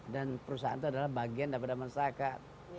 dan perusahaan itu adalah bagian daripada masyarakat